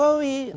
ganjar pak jokowi